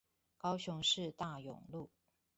高雄市大勇路